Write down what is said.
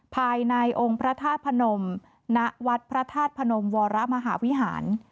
ภายในองค์พระธาตุพนมณวัดพระธาตุพนมวรมหาวิหาร